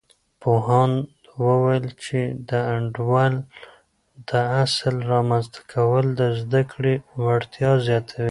پوهاند وویل، چې د انډول د اصل رامنځته کول د زده کړې وړتیا زیاتوي.